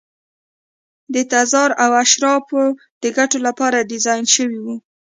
د تزار او اشرافو د ګټو لپاره ډیزاین شوي وو.